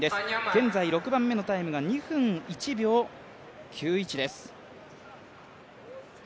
現在６番目のタイムが２分１秒９１です。